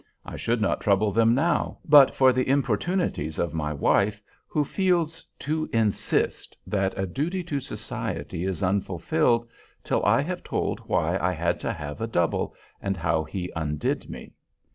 I should not trouble them now, but for the importunities of my wife, who "feels to insist" that a duty to society is unfulfilled, till I have told why I had to have a double, and how he undid me.